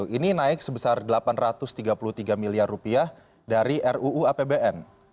ini naik sebesar rp delapan ratus tiga puluh tiga miliar rupiah dari ruu apbn